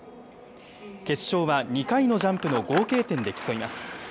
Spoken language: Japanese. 決勝は２回のジャンプの合計点で競います。